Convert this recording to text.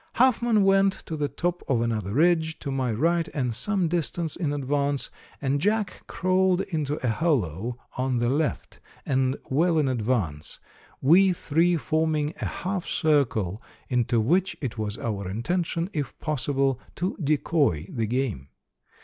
"Huffman went to the top of another ridge, to my right and some distance in advance, and Jack crawled into a hollow on the left, and well in advance, we three forming a half circle, into which it was our intention if possible to decoy the game.